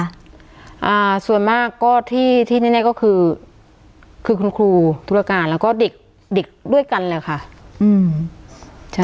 อ่าส่วนมากก็ที่ที่แน่แน่ก็คือคือคุณครูธุรการแล้วก็เด็กเด็กด้วยกันแหละค่ะอืมใช่